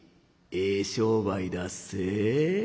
ええ商売だっせ。